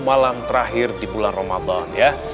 malam terakhir di bulan ramadan ya